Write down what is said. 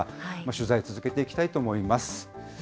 取材続けていきたいと思います。